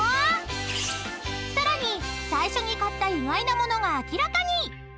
［さらに最初に買った意外なものが明らかに］